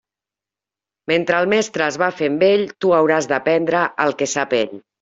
Mentre el mestre es va fent vell, tu hauràs d'aprendre el que sap ell.